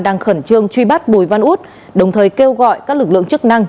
đang khẩn trương truy bắt bùi văn út đồng thời kêu gọi các lực lượng chức năng